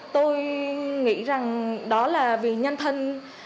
tôi nghĩ rằng đó là vì nhân thân